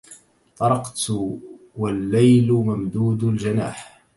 طرقت والليل ممدود الجناح